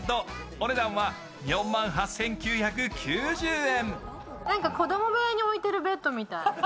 お値段は４万８９９０円。